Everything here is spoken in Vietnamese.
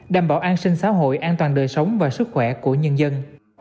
đảm bảo an sinh xã hội an toàn đời sống và sức khỏe của nhân dân